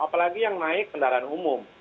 apalagi yang naik kendaraan umum